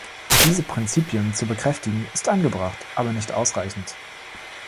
Diese Prinzipien zu bekräftigen, ist angebracht, aber nicht ausreichend.